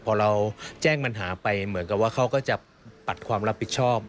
พอเราแจ้งปัญหาไปเหมือนกับว่าเขาก็จะปัดความรับผิดชอบ